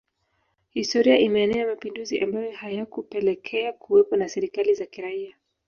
Historia imeenea mapinduzi ambayo hayakupelekea kuwepo na serikali za kiraia